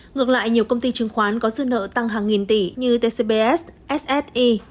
ngược lại nhiều công ty chứng khoán có dư nợ tăng hàng nghìn tỷ như tcbs ssi